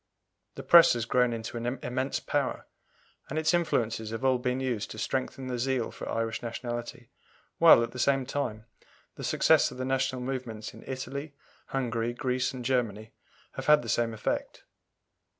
The Press has grown into an immense power, and its influences have all been used to strengthen the zeal for Irish nationality, while, at the same time, the success of the national movements in Italy, Hungary, Greece, and Germany have had the same effect.